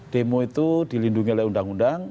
demo itu dilindungi oleh undang undang